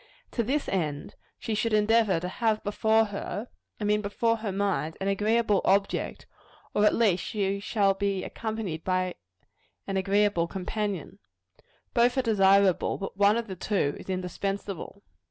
To this end, she should endeavor to have before her I mean before her mind an agreeable object; or at least she should be accompanied by an agreeable companion. Both are desirable; but one of the two is indispensable.